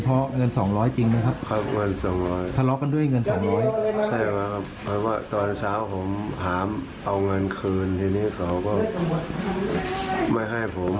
ผมถามเอาเงินคืนทีนี้เขาก็ไม่ให้ผม